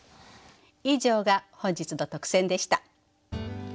以上が本日の特選でした。